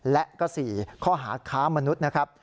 และก็๔ข้อหาค้ามนุษย์นะครับ